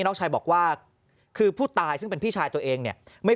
น้องชายบอกว่าคือผู้ตายซึ่งเป็นพี่ชายตัวเองเนี่ยไม่